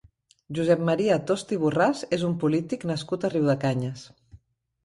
Josep Maria Tost i Borràs és un polític nascut a Riudecanyes.